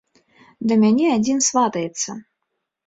Да мяне адзін сватаецца.